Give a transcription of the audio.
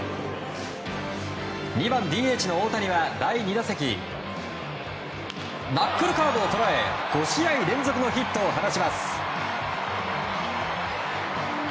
２番ＤＨの大谷は第２打席ナックルカーブを捉え５試合連続のヒットを放ちます。